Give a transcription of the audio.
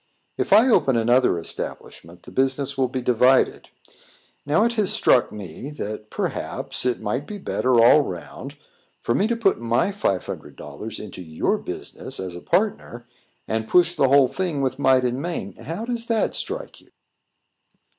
If I open another establishment, the business will be divided. Now, it has struck me, that, perhaps, it might be better, all round, for me to put my five hundred dollars into your business as a partner, and push the whole thing with might and main. How does it strike you?"